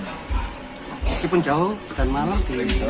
meskipun jauh pada malam juga bisa